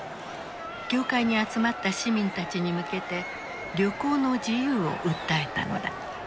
教会に集まった市民たちに向けて旅行の自由を訴えたのだ。